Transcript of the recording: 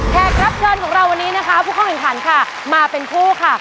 รับเชิญของเราวันนี้นะคะผู้เข้าแข่งขันค่ะมาเป็นผู้ค่ะ